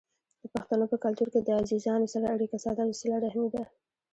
د پښتنو په کلتور کې د عزیزانو سره اړیکه ساتل صله رحمي ده.